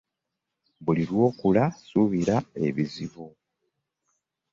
Buli lw'okula ssuubira ebizibu.